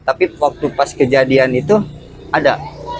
tapi waktu pas kejadian itu ada